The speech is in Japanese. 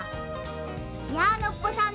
いやノッポさん